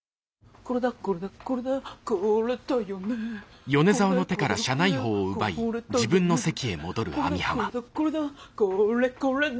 これだこれだこれだこれこれだ！